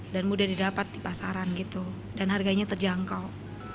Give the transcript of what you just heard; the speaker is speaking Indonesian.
dan mudah didapat di pasaran gitu dan harganya terjangkau